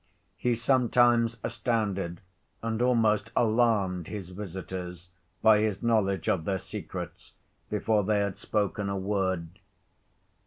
He sometimes astounded and almost alarmed his visitors by his knowledge of their secrets before they had spoken a word.